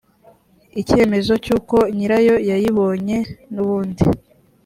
icyemezo cy uko nyirayo yayibonye n ubundi